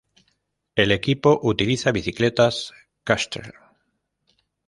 El equipo utiliza bicicletas Kestrel.